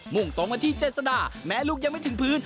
่งตรงกันที่เจษดาแม้ลูกยังไม่ถึงพื้น